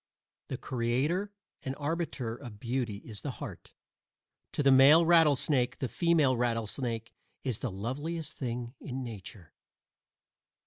The creator and arbiter of beauty is the heart; to the male rattlesnake the female rattlesnake is the loveliest thing in nature.